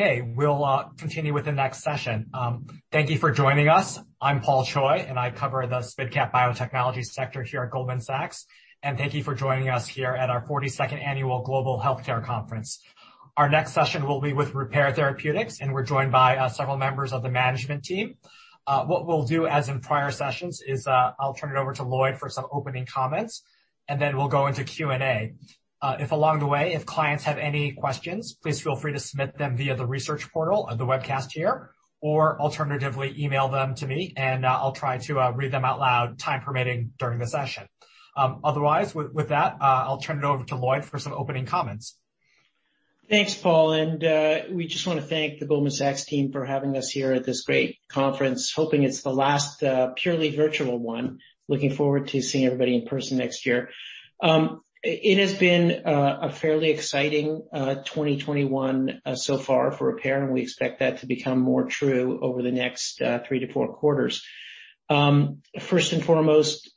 Okay, we'll continue with the next session. Thank you for joining us. I'm Paul Choi, I cover the SMID-cap biotechnology sector here at Goldman Sachs. Thank you for joining us here at our 42nd annual Global Healthcare Conference. Our next session will be with Repare Therapeutics, and we're joined by several members of the management team. What we'll do, as in prior sessions, is I'll turn it over to Lloyd for some opening comments, and then we'll go into Q&A. If along the way if clients have any questions, please feel free to submit them via the research portal on the webcast here, or alternatively, email them to me, and I'll try to read them out loud, time permitting, during the session. Otherwise, with that, I'll turn it over to Lloyd for some opening comments. Thanks, Paul. We just want to thank the Goldman Sachs team for having us here at this great conference, hoping it's the last purely virtual one. Looking forward to seeing everybody in person next year. It has been a fairly exciting 2021 so far for Repare. We expect that to become more true over the next three to four quarters. First and foremost,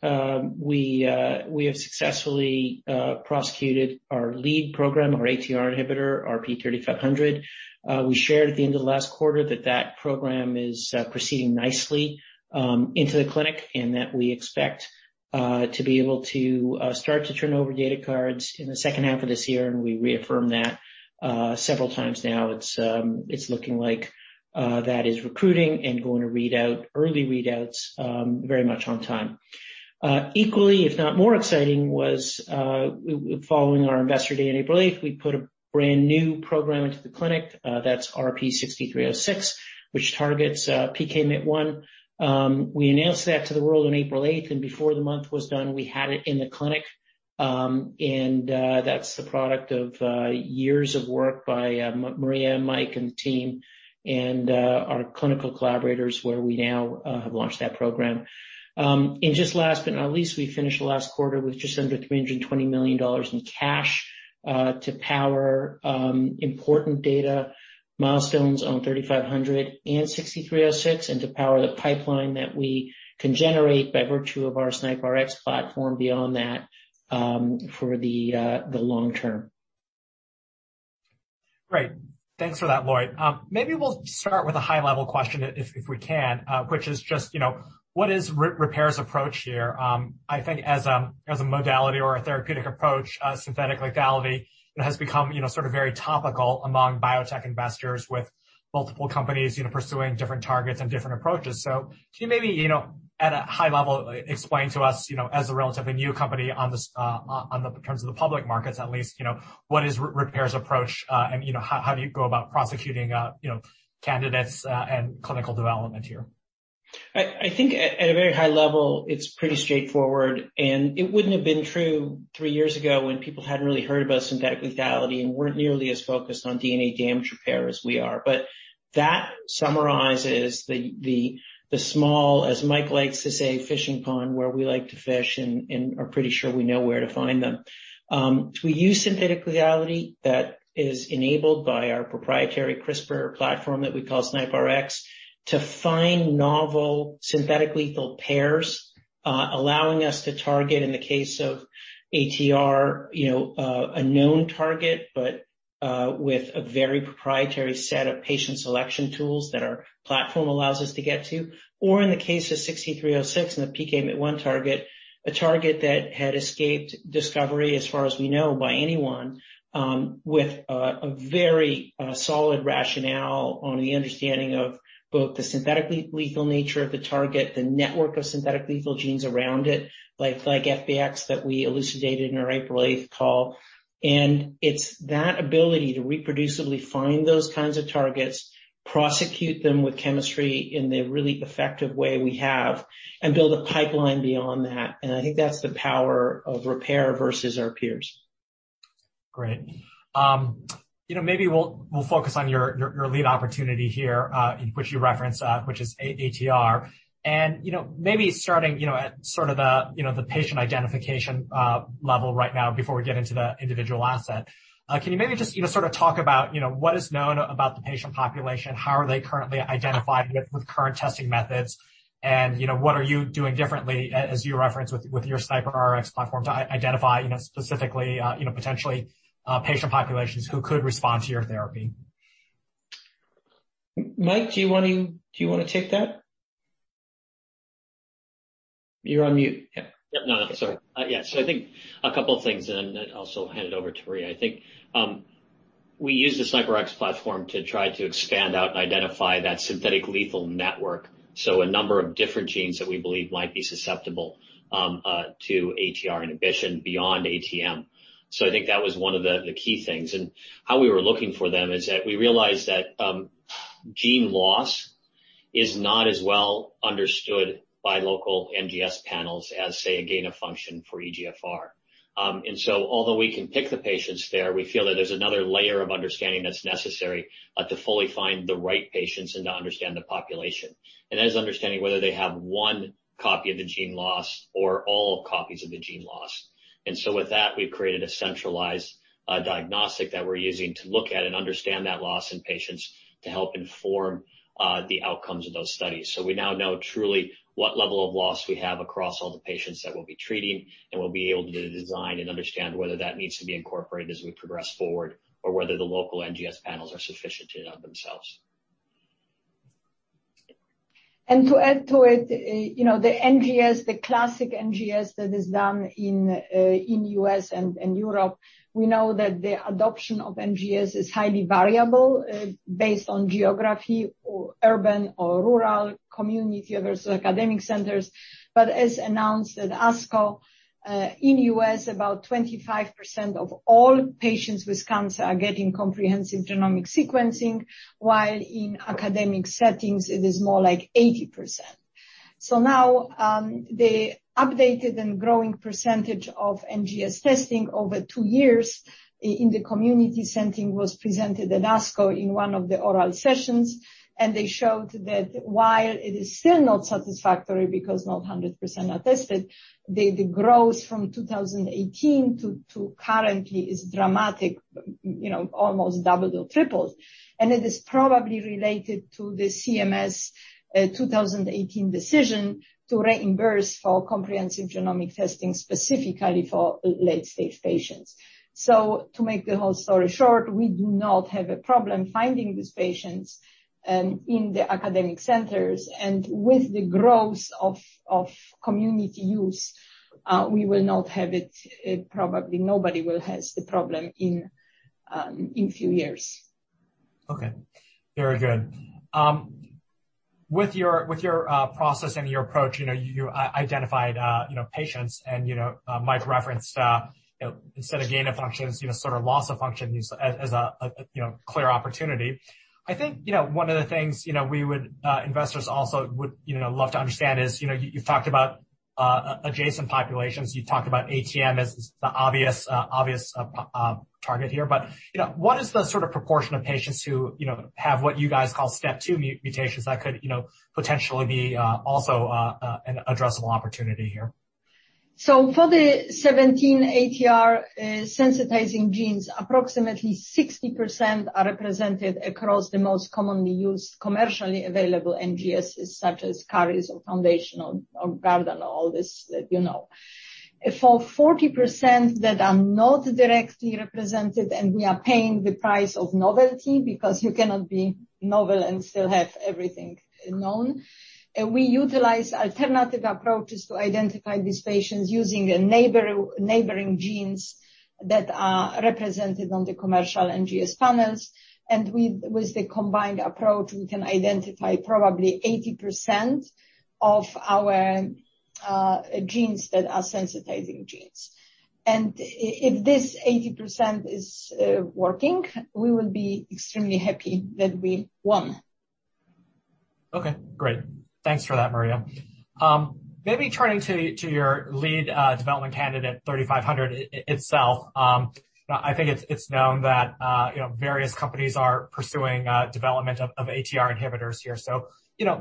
we have successfully prosecuted our lead program, our ATR inhibitor, RP-3500. We shared at the end of last quarter that that program is proceeding nicely into the clinic. We expect to be able to start to turn over data cards in the second half of this year. We reaffirm that several times now. It's looking like that is recruiting and going to read out early readouts very much on time. Equally, if not more exciting, was following our investor day on April 8th, we put a brand-new program into the clinic. That's RP-6306, which targets PKMYT1. We announced that to the world on April 8th, and before the month was done, we had it in the clinic. That's the product of years of work by Maria, Mike, and the team and our clinical collaborators, where we now have launched that program. Just last but not least, we finished last quarter with just under $320 million in cash to power important data milestones on 3500 and 6306 and to power the pipeline that we can generate by virtue of our SNIPRx platform beyond that for the long term. Great. Thanks for that, Lloyd. We'll start with a high-level question if we can, which is just what is Repare's approach here? I think as a modality or a therapeutic approach, a synthetic lethality, it has become very topical among biotech investors, with multiple companies pursuing different targets and different approaches. Can you maybe, at a high level, explain to us, as a relatively new company in terms of the public markets at least, what is Repare's approach? How do you go about prosecuting candidates and clinical development here? I think at a very high level, it's pretty straightforward, and it wouldn't have been true three years ago when people hadn't really heard about synthetic lethality and weren't nearly as focused on DNA damage repair as we are. That summarizes the small, as Mike likes to say, fishing pond where we like to fish and are pretty sure we know where to find them. We use synthetic lethality that is enabled by our proprietary CRISPR platform that we call SNIPRx to find novel synthetically lethal pairs, allowing us to target, in the case of ATR, a known target, but with a very proprietary set of patient selection tools that our platform allows us to get to. In the case of 6306 and the PKMYT1 target, a target that had escaped discovery, as far as we know, by anyone with a very solid rationale on the understanding of both the synthetic lethality nature of the target, the network of synthetically lethal genes around it, like FBX that we elucidated in our April 8th call. It's that ability to reproducibly find those kinds of targets, prosecute them with chemistry in the really effective way we have, and build a pipeline beyond that, and I think that's the power of Repare versus our peers. Great. Maybe we'll focus on your lead opportunity here, which you referenced, which is ATR. Maybe starting at the patient identification level right now before we get into the individual asset. Can you maybe just talk about what is known about the patient population, how are they currently identified with current testing methods, and what are you doing differently, as you referenced, with your SNIPRx platform to identify specifically, potentially, patient populations who could respond to your therapy? Mike, do you want to take that? You're on mute. Yeah. No, sorry. Yeah. I think a couple of things, and then I'll also hand it over to Maria. I think we use the SNIPRx platform to try to expand out and identify that synthetic lethal network. A number of different genes that we believe might be susceptible to ATR inhibition beyond ATM. I think that was one of the key things. How we were looking for them is that we realized that gene loss is not as well understood by local NGS panels as, say, a gain-of-function for EGFR. Although we can pick the patients there, we feel that there's another layer of understanding that's necessary to fully find the right patients and to understand the population. That is understanding whether they have one copy of the gene loss or all copies of the gene loss. With that, we created a centralized diagnostic that we're using to look at and understand that loss in patients to help inform the outcomes of those studies. We now know truly what level of loss we have across all the patients that we'll be treating, and we'll be able to design and understand whether that needs to be incorporated as we progress forward, or whether the local NGS panels are sufficient in and of themselves. To add to it, the classic NGS that is done in U.S. and Europe, we know that the adoption of NGS is highly variable based on geography, urban or rural community versus academic centers. As announced at ASCO, in U.S., about 25% of all patients with cancer are getting comprehensive genomic sequencing, while in academic settings it is more like 80%. Now, the updated and growing percentage of NGS testing over two years in the community setting was presented at ASCO in one of the oral sessions, and they showed that while it is still not satisfactory because not 100% are tested, the growth from 2018 to currently is dramatic, almost doubled or tripled. It is probably related to the CMS 2018 decision to reimburse for comprehensive genomic testing, specifically for late-stage patients. To make the whole story short, we do not have a problem finding these patients in the academic centers. With the growth of community use, we will not have it, probably nobody will have the problem in a few years. Okay. Very good. With your process and your approach, you identified patients and Mike referenced, instead of gain-of-functions, loss-of-function as a clear opportunity. I think one of the things investors also would love to understand is, you've talked about adjacent populations. You talked about ATM as the obvious target here. What is the proportion of patients who have what you guys call STEP2 mutations that could potentially be also an addressable opportunity here? For the 17 ATR sensitizing genes, approximately 60% are represented across the most commonly used commercially available NGSs such as Caris or Foundation or Guardant, all this that you know. For 40% that are not directly represented and we are paying the price of novelty because you cannot be novel and still have everything known, and we utilize alternative approaches to identify these patients using neighboring genes that are represented on the commercial NGS panels. With the combined approach, we can identify probably 80% of our genes that are sensitizing genes. If this 80% is working, we will be extremely happy that we won. Okay, great. Thanks for that, Maria. Maybe turning to your lead development candidate, 3500 itself. I think it's known that various companies are pursuing development of ATR inhibitors here.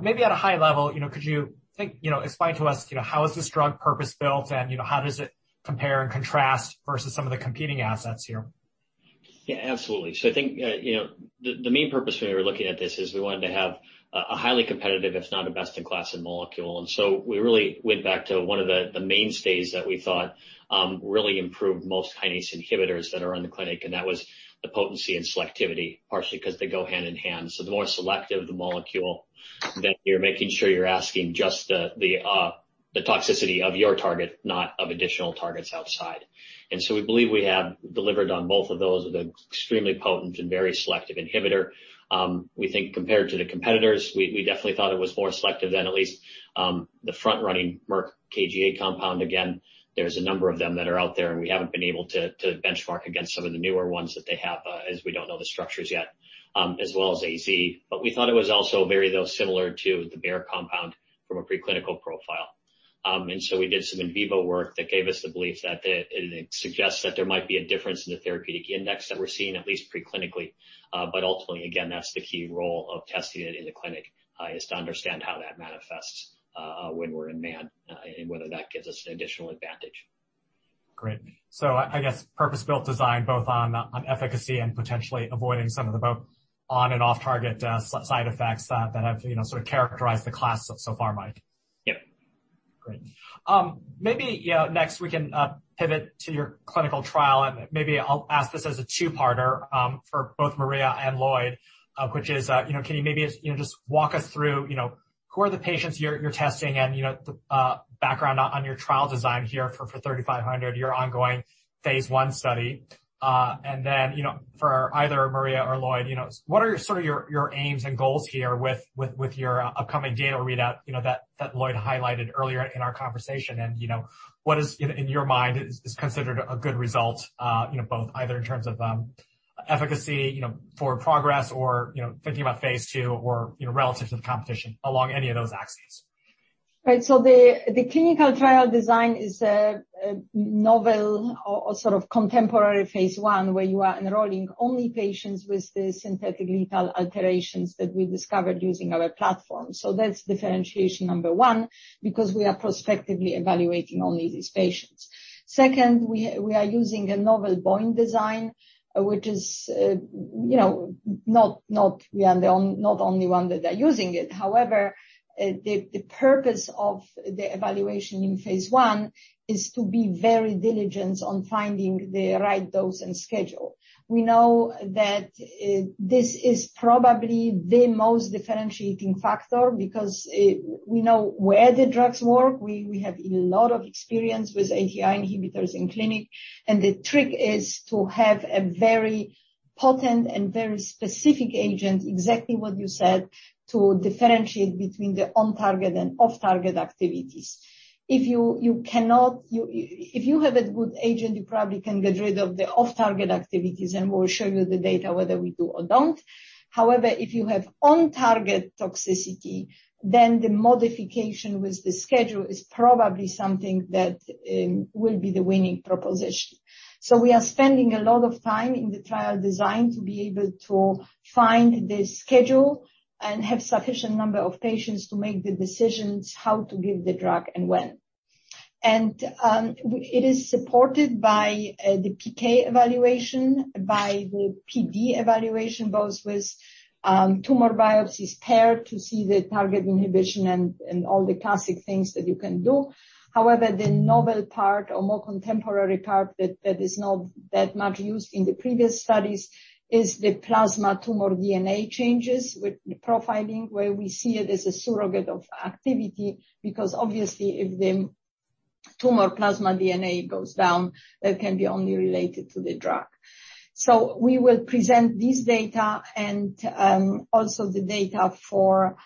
Maybe at a high level, could you explain to us how is this drug purpose-built, and how does it compare and contrast versus some of the competing assets here? Yeah, absolutely. I think the main purpose we were looking at this is we wanted to have a highly competitive, if not a best-in-class molecule. We really went back to one of the mainstays that we thought really improved most kinase inhibitors that are in the clinic, and that was the potency and selectivity, partially because they go hand in hand. The more selective the molecule, you're making sure you're asking just the toxicity of your target, not of additional targets outside. We believe we have delivered on both of those with an extremely potent and very selective inhibitor. We think compared to the competitors, we definitely thought it was more selective than at least the front-running Merck KGaA compound. There's a number of them that are out there, and we haven't been able to benchmark against some of the newer ones that they have, as we don't know the structures yet, as well as AstraZeneca. We thought it was also very similar to the Bayer compound from a preclinical profile. We did some in vivo work that gave us the belief that it suggests that there might be a difference in the therapeutic index that we're seeing, at least preclinically. Ultimately, again, that's the key role of testing it in the clinic is to understand how that manifests when we're in man, and whether that gives us an additional advantage. Great. I guess purpose-built design, both on efficacy and potentially avoiding some of the both on and off-target side effects that have characterized the class so far, Mike. Yep. Great. Maybe next we can pivot to your clinical trial, and maybe I'll ask this as a two-parter for both Maria and Lloyd, which is, can you maybe just walk us through who are the patients you're testing and the background on your trial design here for 3500, your ongoing phase I study. Then, for either Maria or Lloyd, what are your aims and goals here with your upcoming data readout that Lloyd highlighted earlier in our conversation? What is, in your mind, is considered a good result, both either in terms of efficacy, for progress or, thinking about phase II or, relative to the competition, along any of those axes? Right. The clinical trial design is a novel or contemporary phase I, where you are enrolling only patients with the synthetic lethal alterations that we discovered using our platform. That's differentiation number one, because we are prospectively evaluating only these patients. Second, we are using a novel Bayesian design, which is, we are not the only one that are using it. The purpose of the evaluation in phase I is to be very diligent on finding the right dose and schedule. We know that this is probably the most differentiating factor because we know where the drugs work. We have a lot of experience with ATR inhibitors in clinic, and the trick is to have a very potent and very specific agent, exactly what you said, to differentiate between the on-target and off-target activities. If you have a good agent, you probably can get rid of the off-target activities, and we'll show you the data whether we do or don't. If you have on-target toxicity, the modification with the schedule is probably something that will be the winning proposition. We are spending a lot of time in the trial design to be able to find the schedule and have sufficient number of patients to make the decisions how to give the drug and when. It is supported by the PK evaluation, by the PD evaluation, both with tumor biopsies paired to see the target inhibition and all the classic things that you can do. The novel part or more contemporary part that's not used in the previous studies is the plasma tumor DNA changes with the profiling, where we see it as a surrogate of activity. If the tumor plasma DNA goes down, that can be only related to the drug. We will present this data and also the data for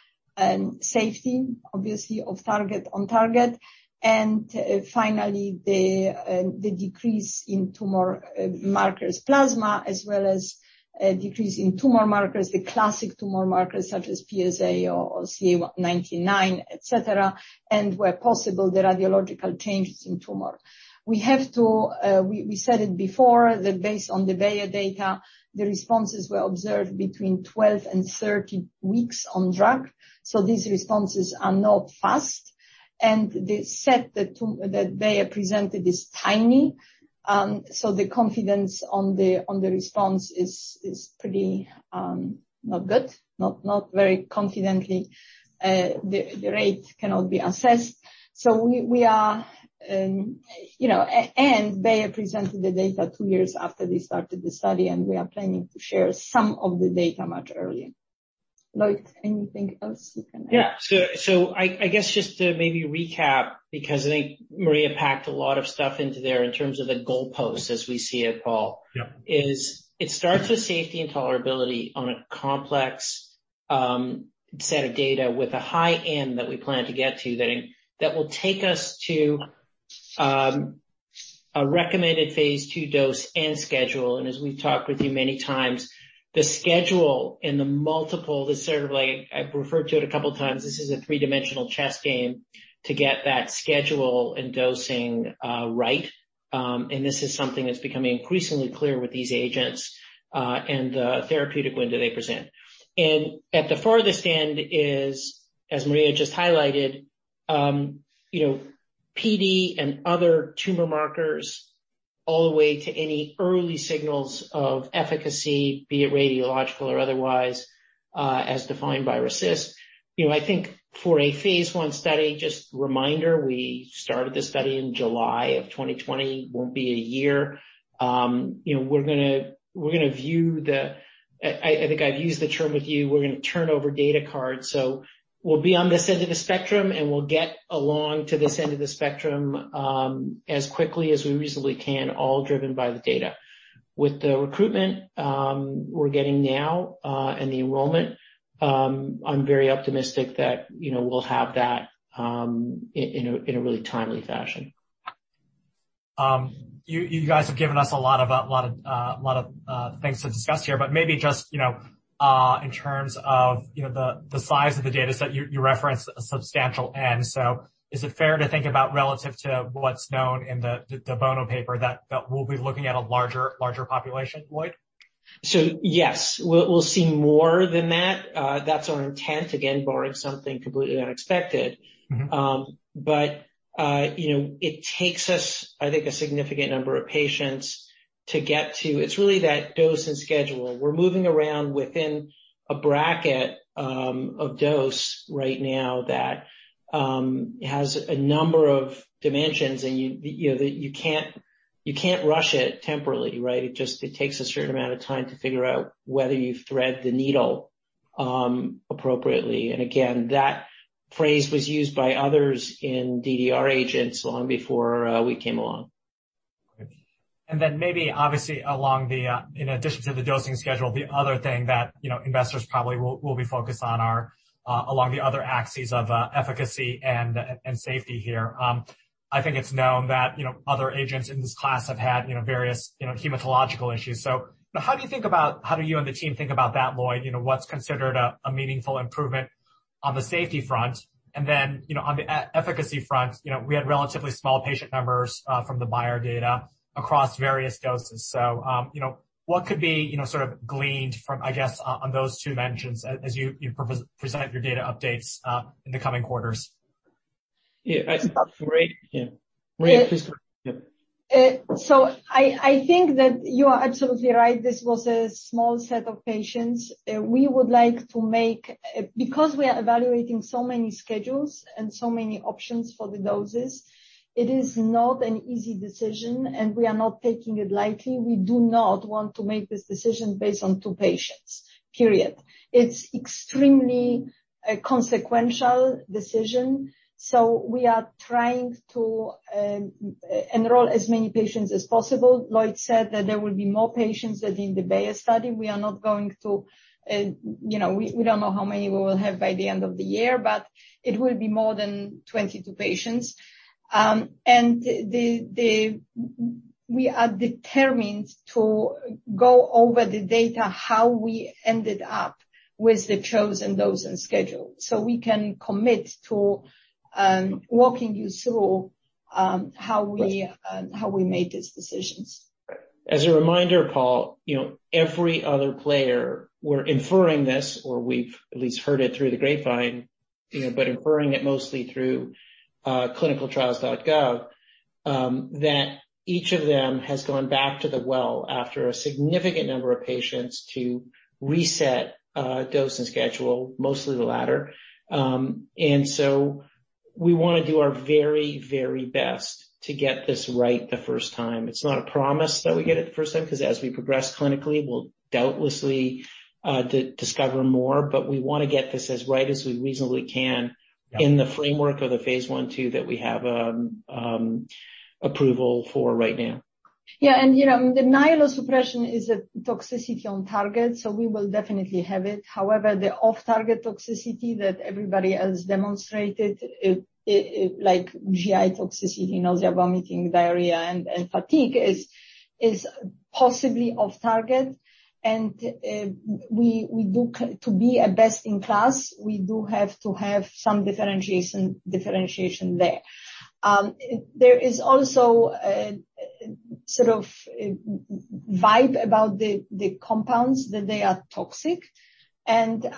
safety, obviously off-target, on-target, and finally the decrease in tumor markers plasma as well as decrease in tumor markers, the classic tumor markers such as PSA or CA 19-9, et cetera, and where possible, the radiological changes in tumor. We said it before that based on the Bayer data, the responses were observed between 12 and 30 weeks on drug, these responses are not fast. The set that Bayer presented is tiny, the confidence on the response is pretty not good. Not very confidently, the rate cannot be assessed. Bayer presented the data two years after they started the study, and we are planning to share some of the data much earlier. Lloyd, anything else you can add? Yeah. I guess just to maybe recap, because I think Maria packed a lot of stuff into there in terms of the goalposts as we see it, Paul. Yeah. It starts with safety and tolerability on a complex set of data with a high end that we plan to get to that will take us to a recommended phase II dose and schedule. As we've talked with you many times, the schedule and the multiple, I've referred to it a couple of times, this is a three-dimensional chess game to get that schedule and dosing right. This is something that's becoming increasingly clear with these agents, and the therapeutic window they present. At the farthest end is, as Maria just highlighted, PD and other tumor markers all the way to any early signals of efficacy, be it radiological or otherwise, as defined by RECIST. I think for a phase I study, just a reminder, we started the study in July of 2020, it won't be a year. I think I've used the term with you, we're going to turn over data cards. We'll be on this end of the spectrum, and we'll get along to this end of the spectrum, as quickly as we reasonably can, all driven by the data. With the recruitment we're getting now, and the enrollment, I'm very optimistic that we'll have that in a really timely fashion. You guys have given us a lot of things to discuss here, but maybe just in terms of the size of the data set, you referenced a substantial N. Is it fair to think about relative to what's known in the Bayer paper that we'll be looking at a larger population, Lloyd? Yes, we'll see more than that. That's our intent, again, barring something completely unexpected. It takes us, I think, a significant number of patients. It's really that dose and schedule. We're moving around within a bracket of dose right now that has a number of dimensions, and you can't rush it temporally, right? It takes a certain amount of time to figure out whether you thread the needle appropriately. Again, that phrase was used by others in the ATR agents long before we came along. Right. Maybe, obviously, in addition to the dosing schedule, the other thing that investors probably will be focused on are along the other axes of efficacy and safety here. I think it's known that other agents in this class have had various hematological issues. How do you and the team think about that, Lloyd? What's considered a meaningful improvement on the safety front and then on the efficacy front, we had relatively small patient numbers from the Bayer data across various doses. What could be sort of gleaned from, I guess, on those two mentions as you present your data updates in the coming quarters? Yeah, that's great. Maria, please. I think that you are absolutely right, this was a small set of patients. Because we are evaluating so many schedules and so many options for the doses, it is not an easy decision, and we are not taking it lightly. We do not want to make this decision based on two patients, period. It's extremely a consequential decision, so we are trying to enroll as many patients as possible. Lloyd said that there will be more patients than in the Bayer study. We don't know how many we will have by the end of the year, but it will be more than 22 patients. We are determined to go over the data, how we ended up with the chosen dose and schedule, so we can commit to walking you through how we made these decisions. As a reminder, Paul, every other player, we're inferring this, or we've at least heard it through the grapevine, but inferring it mostly through clinicaltrials.gov, that each of them has gone back to the well after a significant number of patients to reset dose and schedule, mostly the latter. We want to do our very best to get this right the first time. It's not a promise that we get it first time because as we progress clinically, we'll doubtlessly discover more, but we want to get this as right as we reasonably can in the framework of the phase I/II that we have approval for right now. Yeah, myelosuppression is a toxicity on target, so we will definitely have it. However, the off-target toxicity that everybody has demonstrated, like GI toxicity, nausea, vomiting, diarrhea, and fatigue is possibly off target. To be a best in class, we do have to have some differentiation there. There is also a sort of vibe about the compounds that they are toxic, or the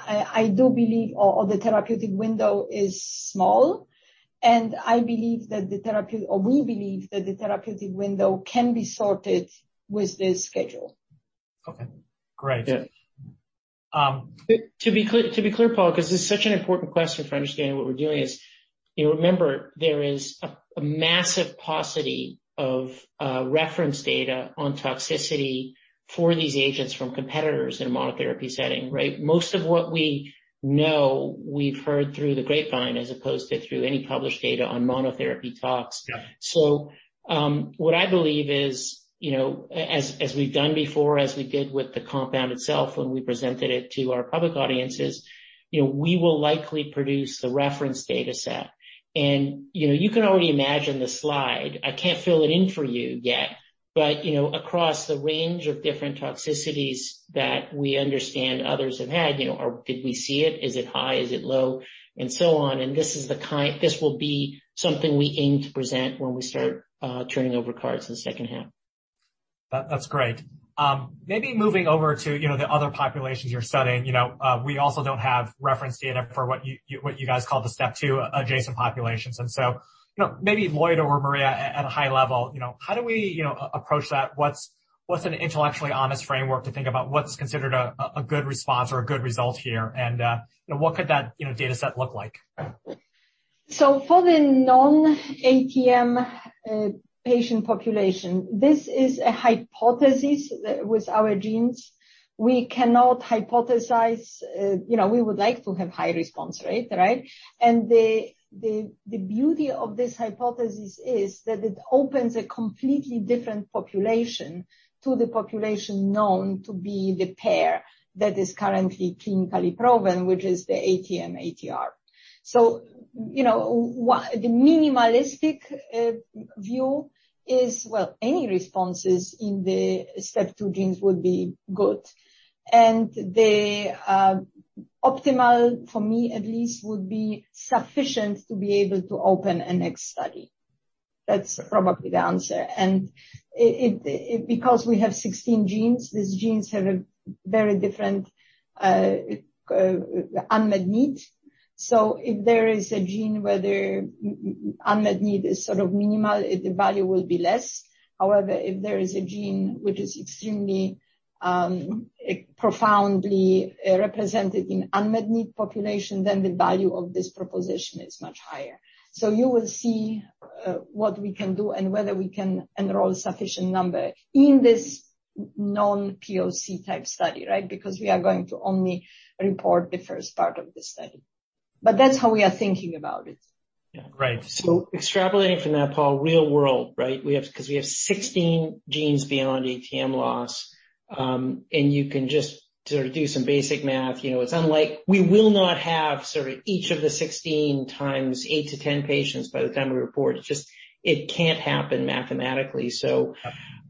therapeutic window is small, and we believe that the therapeutic window can be sorted with this schedule. Okay, great. To be clear, Paul, because it's such an important question for understanding what we're doing is, remember, there is a massive paucity of reference data on toxicity for these agents from competitors in monotherapy setting, right? Most of what we know, we've heard through the grapevine as opposed to through any published data on monotherapy tox. Yeah. What I believe is, as we've done before, as we did with the compound itself when we presented it to our public audiences, we will likely produce the reference data set. You can already imagine the slide. I can't fill it in for you yet, but across the range of different toxicities that we understand others have had, or did we see it? Is it high? Is it low? And so on. This will be something we aim to present when we start turning over cards in the second half. That's great. Maybe moving over to the other populations you're studying. We also don't have reference data for what you guys call the STEP2 adjacent populations. Maybe Lloyd or Maria at a high level, how do we approach that? What's an intellectually honest framework to think about what's considered a good response or a good result here? What could that data set look like? For the non-ATM patient population, this is a hypothesis with our genes. We would like to have high response rate, right? The beauty of this hypothesis is that it opens a completely different population to the population known to be the pair that is currently clinically proven, which is the ATM/ATR. The minimalistic view is, well, any responses in the STEP2 genes would be good. The optimal for me at least would be sufficient to be able to open a next study. That's probably the answer. Because we have 16 genes, these genes have a very different unmet need. If there is a gene where the unmet need is sort of minimal, the value will be less. However, if there is a gene which is extremely profoundly represented in unmet need population, then the value of this proposition is much higher. You will see what we can do and whether we can enroll sufficient number in this non-POC type study, right? Because we are going to only report the first part of the study. But that's how we are thinking about it. Yeah, great. Extrapolating from that, Paul, real world, right? We have 16 genes beyond ATM loss, and you can just do some basic math. It's unlike we will not have sort of each of the 16 times 8-10 patients by the time we report. It just can't happen mathematically.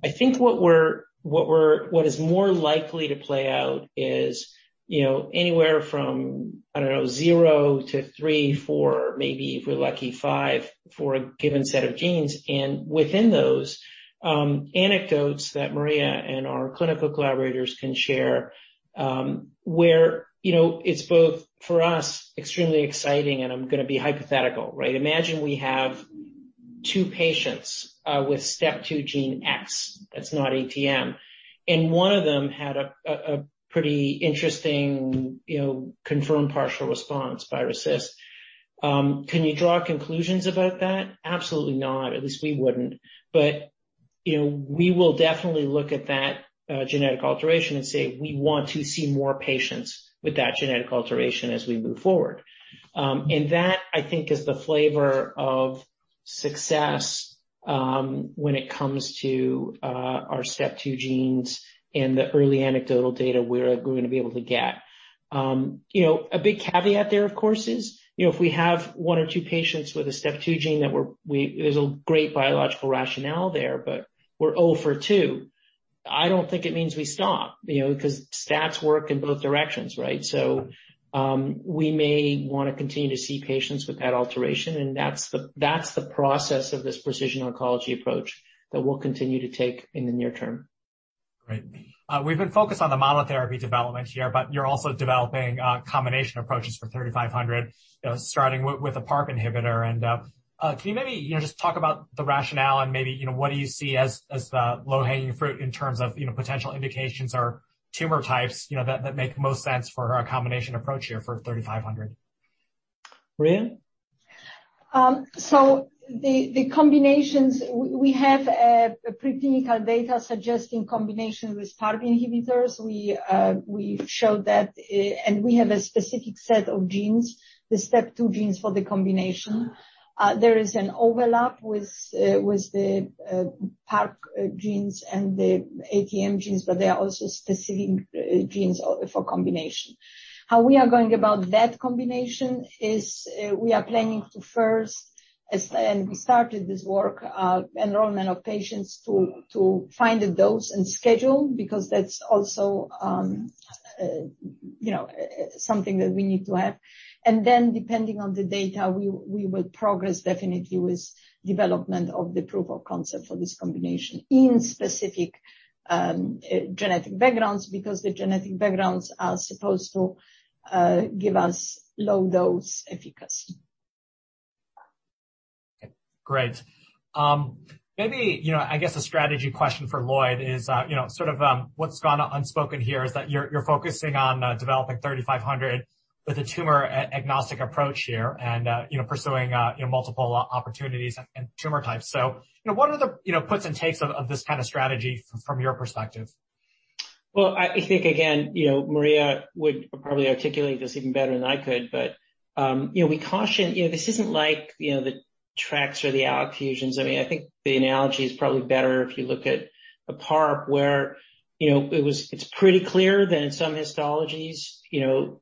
I think what is more likely to play out is anywhere from, I don't know, zero to three, four, maybe if we're lucky, five for a given set of genes. Within those anecdotes that Maria and our clinical collaborators can share, where it's both for us extremely exciting and I'm going to be hypothetical, right? Imagine we have two patients with STEP2 gene X, that's not ATM, and one of them had a pretty interesting confirmed partial response by RECIST. Can you draw conclusions about that? Absolutely not. At least we wouldn't. We will definitely look at that genetic alteration and say we want to see more patients with that genetic alteration as we move forward. That, I think is the flavor of success when it comes to our STEP2 genes and the early anecdotal data we are going to be able to get. A big caveat there, of course, is if we have one or two patients with a STEP2 gene there's a great biological rationale there, but we're O for two, I don't think it means we stop because stats work in both directions, right? We may want to continue to see patients with that alteration, and that's the process of this precision oncology approach that we'll continue to take in the near term. Great. We've been focused on the monotherapy development here. You're also developing combination approaches for 3500, starting with a PARP inhibitor. Can you maybe just talk about the rationale and maybe what do you see as the low hanging fruit in terms of potential indications or tumor types that make the most sense for a combination approach here for 3500? Maria? The combinations, we have preclinical data suggesting combination with PARP inhibitors. We showed that, and we have a specific set of genes, the STEP2 genes for the combination. There is an overlap with the PARP genes and the ATM genes, but there are also specific genes for combination. How we are going about that combination is we are planning to first, and we started this work, enrollment of patients to find a dose and schedule because that's also something that we need to have. Depending on the data, we will progress definitely with development of the proof of concept for this combination in specific genetic backgrounds, because the genetic backgrounds are supposed to give us low dose efficacy. Great. Maybe, I guess a strategy question for Lloyd is what's gone unspoken here is that you're focusing on developing 3500 with a tumor agnostic approach here and pursuing multiple opportunities and tumor types. What are the puts and takes of this kind of strategy from your perspective? Well, I think, again, Maria would probably articulate this even better than I could, but we caution this isn't like the TRKs or the ROS fusions. I think the analogy is probably better if you look at the PARP where it's pretty clear that in some histologies,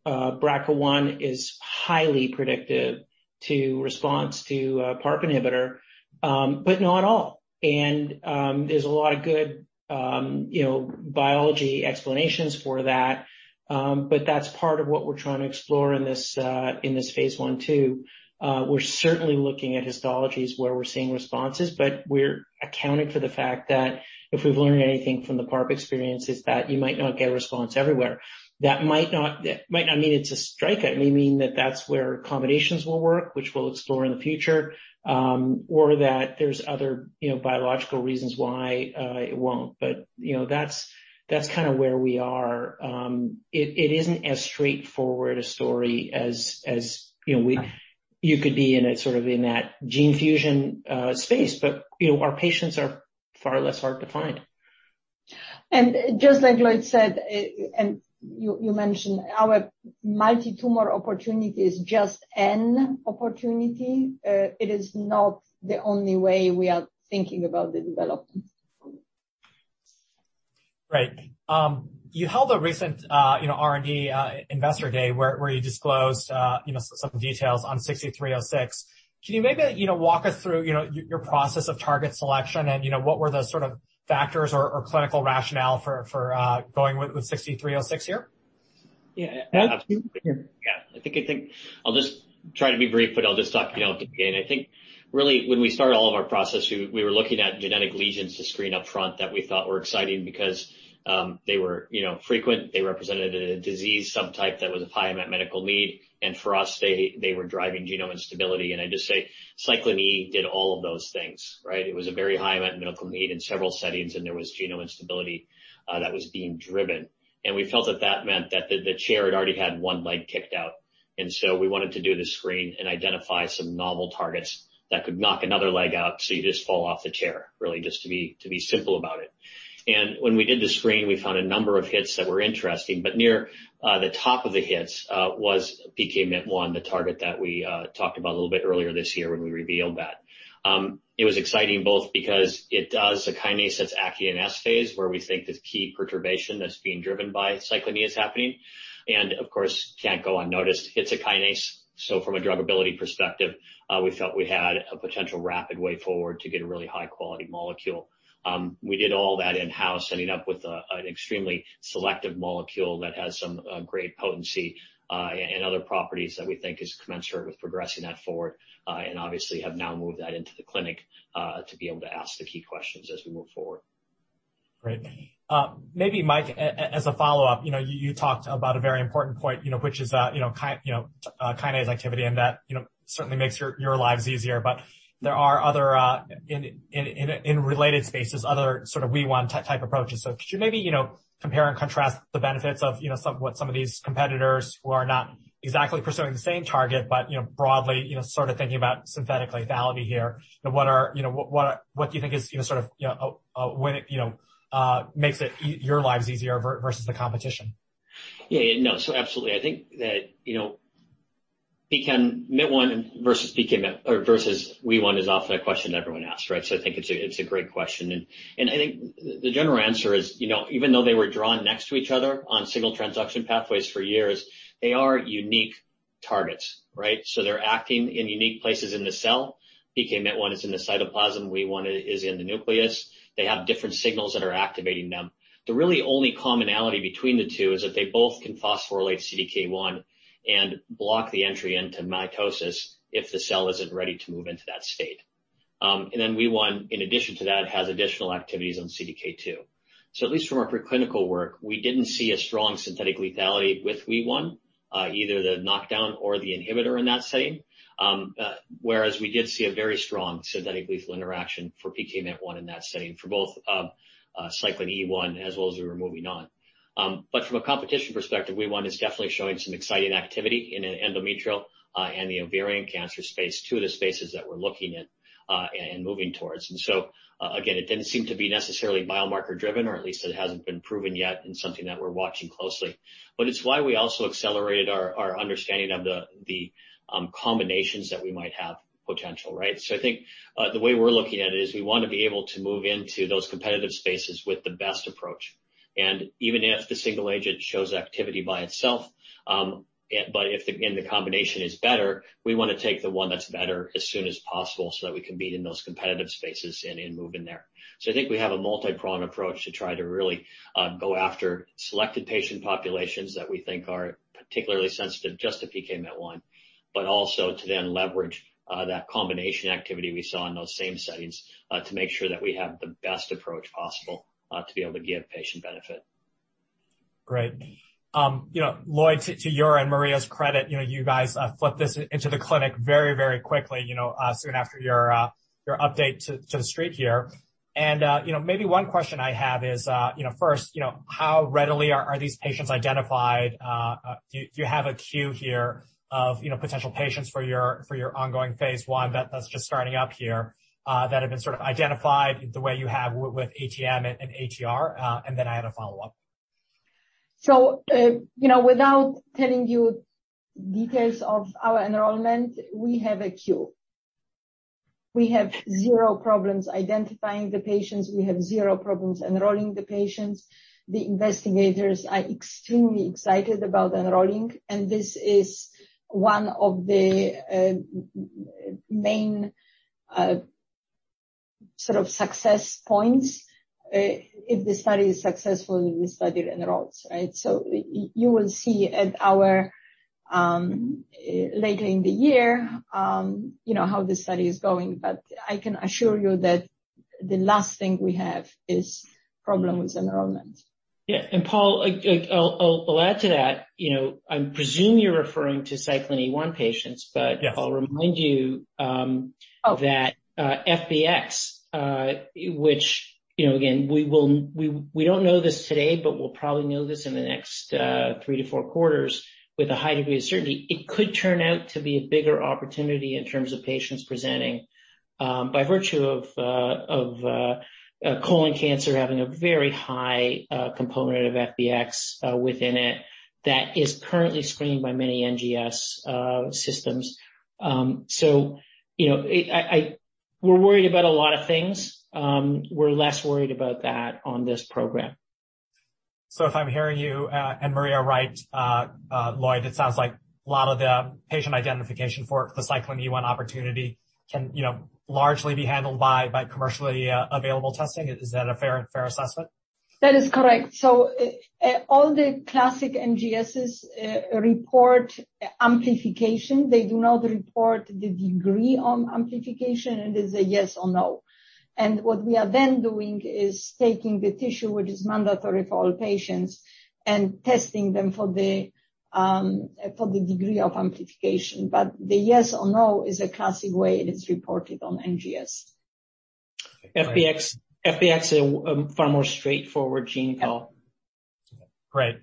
BRCA1 is highly predictive to response to a PARP inhibitor, but not all. There's a lot of good biology explanations for that, but that's part of what we're trying to explore in this phase I/II. We're certainly looking at histologies where we're seeing responses, but we're accounting for the fact that if we've learned anything from the PARP experience, it's that you might not get a response everywhere. It's a strikeout, may mean that that's where combinations will work, which we'll explore in the future, or that there's other biological reasons why it won't. That's kind of where we are. It isn't as straightforward a story as you could be in that gene fusion space. Our patients are far less hard to find. Just as Lloyd said, and you mentioned our multi tumor opportunity is just an opportunity. It is not the only way we are thinking about the development. Right. You held a recent R&D investor day where you disclosed some details on 6306. Can you maybe walk us through your process of target selection and what were the sort of factors or clinical rationale for going with 6306 here? I think I'll just try to be brief, but I'll just talk through it again. I think really when we started all of our process, we were looking at genetic lesions to screen up front that we thought were exciting because they were frequent, they represented a disease subtype that was a high unmet medical need, and for us, they were driving genome instability. I'd just say, cyclin E did all of those things, right? It was a very high unmet medical need in several settings, and there was genome instability that was being driven. We felt that that meant that the chair had already had one leg kicked out. We wanted to do the screen and identify some novel targets that could knock another leg out, so you just fall off the chair, really, just to be simple about it. When we did the screen, we found a number of hits that were interesting, but near the top of the hits was PKMYT1, the target that we talked about a little bit earlier this year when we revealed that. It was exciting both because it is a kinase that's active in S phase, where we think the key perturbation that's being driven by cyclin E is happening. Of course, can't go unnoticed. It's a kinase, so from a druggability perspective, we felt we had a potential rapid way forward to get a really high-quality molecule. We did all that in-house, ending up with an extremely selective molecule that has some great potency, and other properties that we think is commensurate with progressing that forward, and obviously have now moved that into the clinic, to be able to ask the key questions as we move forward. Great. Maybe, Mike, as a follow-up, you talked about a very important point, which is kinase activity, and that certainly makes your lives easier. There are other, in related spaces, other sort of WEE1 type approaches. Maybe, compare and contrast the benefits of some of these competitors who are not exactly pursuing the same target, but broadly, sort of thinking about synthetic lethality here and what do you think makes your lives easier versus the competition? Yeah. Absolutely. I think that PKMYT1 versus WEE1 is often a question everyone asks, right? I think it's a great question. I think the general answer is, even though they were drawn next to each other on signal transduction pathways for years, they are unique targets, right? They're acting in unique places in the cell. PKMYT1 is in the cytoplasm, WEE1 is in the nucleus. They have different signals that are activating them. The really only commonality between the two is that they both can phosphorylate CDK1 and block the entry into mitosis if the cell isn't ready to move into that state. WEE1, in addition to that, has additional activities on CDK2. At least from our preclinical work, we didn't see a strong synthetic lethality with WEE1, either the knockdown or the inhibitor in that setting, whereas we did see a very strong synthetic lethal interaction for PKMYT1 in that setting for both cyclin E1 as well as WEE1. From a competition perspective, WEE1 is definitely showing some exciting activity in endometrial and the ovarian cancer space, two of the spaces that we're looking at and moving towards. Again, it didn't seem to be necessarily biomarker driven, or at least it hasn't been proven yet and something that we're watching closely. It's why we also accelerated our understanding of the combinations that we might have potential, right? I think the way we're looking at it is we want to be able to move into those competitive spaces with the best approach. Even if the single agent shows activity by itself, but if the combination is better, we want to take the one that's better as soon as possible so that we can be in those competitive spaces and move in there. I think we have a multi-pronged approach to try to really go after selected patient populations that we think are particularly sensitive just to PKMYT1, but also to then leverage that combination activity we saw in those same settings to make sure that we have the best approach possible to be able to give patient benefit. Great. Lloyd, to your and Maria's credit, you guys flipped this into the clinic very quickly, soon after your update to the street here. Maybe one question I have is, first, how readily are these patients identified? Do you have a queue here of potential patients for your ongoing phase I that's just starting up here, that have been sort of identified the way you have with ATM and ATR? Then I had a follow-up. Without telling you details of our enrollment, we have a queue. We have zero problems identifying the patients. We have zero problems enrolling the patients. The investigators are extremely excited about enrolling, and this is one of the main sort of success points if the study is successful and the study enrolls, right? You will see later in the year how the study is going, but I can assure you that the last thing we have is problems with enrollment. Yeah, Paul, I'll add to that. I'm presuming you're referring to cyclin E1 patients. Yes I'll remind you that FBX, which again, we don't know this today, but we'll probably know this in the next three to four quarters with a high degree of certainty, it could turn out to be a bigger opportunity in terms of patients presenting, by virtue of colon cancer having a very high component of FBX within it that is currently screened by many NGS systems. We're worried about a lot of things. We're less worried about that on this program. If I'm hearing you and Maria right, Lloyd, it sounds like a lot of the patient identification for the cyclin E1 opportunity can largely be handled by commercially available testing. Is that a fair assessment? That is correct. All the classic NGSs report amplification. They do not report the degree on amplification. It is a yes or no. What we are then doing is taking the tissue, which is mandatory for all patients, and testing them for the degree of amplification. The yes or no is a classic way it is reported on NGS. FBX is a far more straightforward gene panel. Great.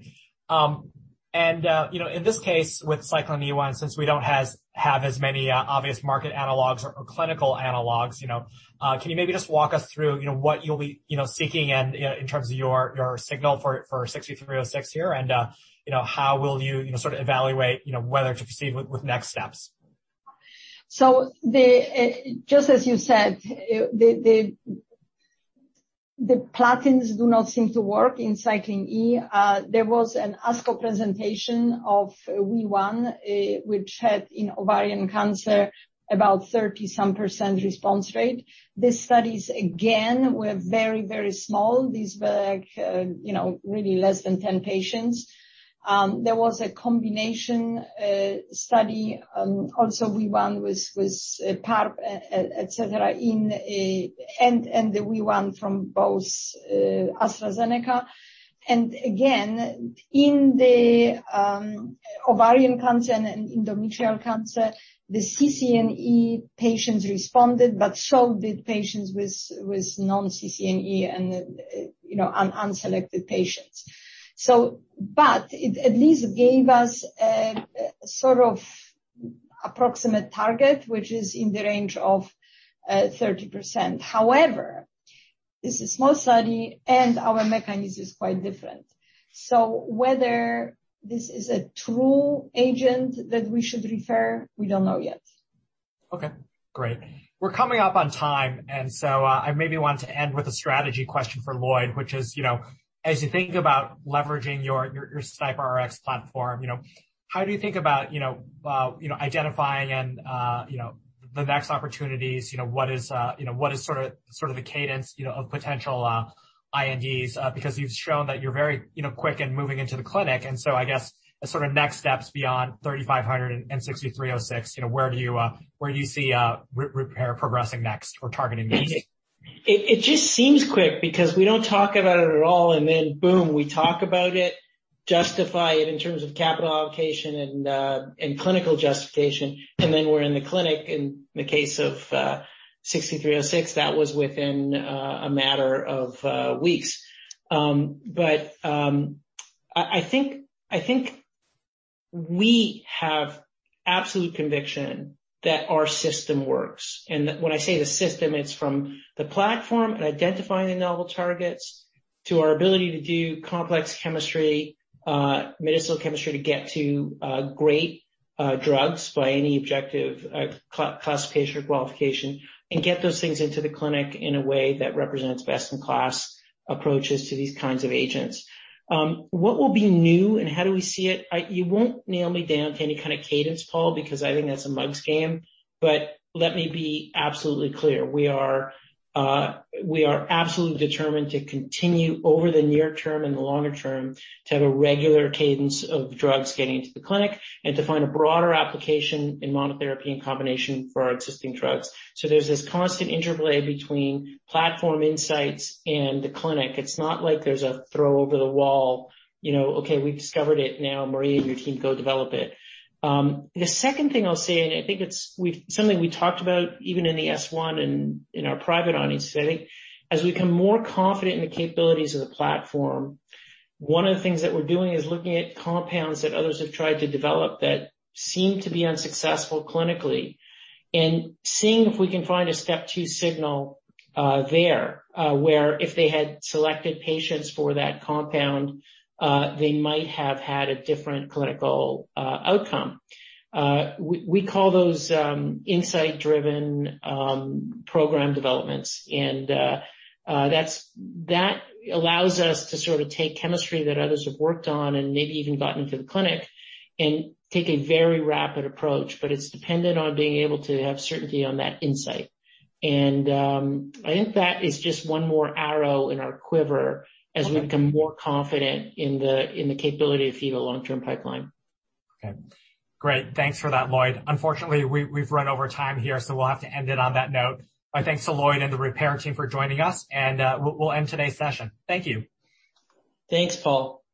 In this case, with cyclin E1, since we don't have as many obvious market analogs or clinical analogs, can you maybe just walk us through what you'll be seeking in terms of your signal for 6306 here, and how will you sort of evaluate whether to proceed with next steps? Just as you said, the platinums do not seem to work in cyclin E. There was an ASCO presentation of WEE1, which had in ovarian cancer about 30-some percent response rate. The studies, again, were very, very small. These were really less than 10 patients. There was a combination study, also WEE1 with PARP, et cetera, and the WEE1 from both AstraZeneca. Again, in the ovarian cancer and endometrial cancer, the CCNE patients responded, but so did patients with non-CCNE and unselected patients. It at least gave us a sort of approximate target, which is in the range of 30%. However, this is a small study, and our mechanism is quite different. Whether this is a true agent that we should repair, we don't know yet. Okay, great. We're coming up on time. I maybe want to end with a strategy question for Lloyd, which is, as you think about leveraging your SNIPRx platform, how do you think about identifying and the next opportunities, what is sort of the cadence of potential INDs? You've shown that you're very quick in moving into the clinic. I guess as sort of next steps beyond 3500 and 6306, where do you see Repare progressing next for targeting these? It just seems quick because we don't talk about it at all, boom, we talk about it, justify it in terms of capital allocation and clinical justification, we're in the clinic. In the case of 6306, that was within a matter of weeks. I think we have absolute conviction that our system works. When I say the system, it's from the platform, identifying the novel targets, to our ability to do complex medicinal chemistry to get to great drugs by any objective cost-patient qualification and get those things into the clinic in a way that represents best-in-class approaches to these kinds of agents. What will be new and how do we see it? You won't nail me down to any kind of cadence, Paul, because I think that's a mug's game. Let me be absolutely clear, we are absolutely determined to continue over the near term and the longer term to have a regular cadence of drugs getting into the clinic and to find a broader application in monotherapy and combination for our existing drugs. There's this constant interplay between platform insights and the clinic. It's not like there's a throw over the wall, okay, we discovered it, now Maria and your team go develop it. The second thing I'll say, I think it's something we talked about even in the S-1 and in our private earnings today, as we become more confident in the capabilities of the platform, one of the things that we're doing is looking at compounds that others have tried to develop that seem to be unsuccessful clinically and seeing if we can find a STEP2 signal there, where if they had selected patients for that compound, they might have had a different clinical outcome. We call those insight-driven program developments. That allows us to sort of take chemistry that others have worked on and maybe even gotten to the clinic and take a very rapid approach, but it's dependent on being able to have certainty on that insight. I think that is just one more arrow in our quiver as we become more confident in the capability to feed a long-term pipeline. Okay, great. Thanks for that, Lloyd. Unfortunately, we've run over time here, so we'll have to end it on that note. My thanks to Lloyd and the Repare team for joining us, and we'll end today's session. Thank you. Thanks, Paul.